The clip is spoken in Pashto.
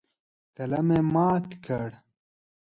قلم یې مات کړ.